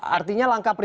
artinya langkah privatis